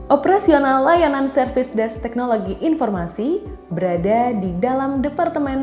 operasional layanan servis des teknologi informasi berada di dalam departemen